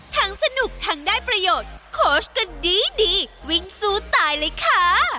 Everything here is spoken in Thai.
สนุกทั้งได้ประโยชน์โค้ชกันดีดีวิ่งสู้ตายเลยค่ะ